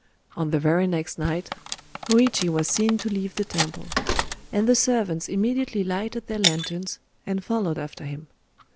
On the very next night, Hōïchi was seen to leave the temple; and the servants immediately lighted their lanterns, and followed after him.